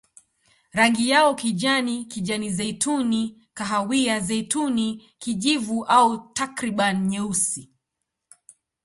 Rangi yao kijani, kijani-zeituni, kahawia-zeituni, kijivu au takriban nyeusi.